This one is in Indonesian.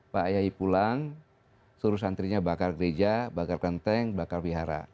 pak yai pulang suruh santrinya bakar gereja bakar kenteng bakar wihara